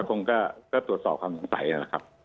คงก็ตรวจสอบความสงสัยนะครับ